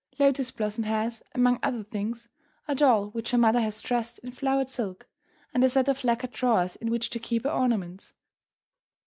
Lotus Blossom has, among other things, a doll which her mother has dressed in flowered silk, and a set of lacquered drawers in which to keep her ornaments.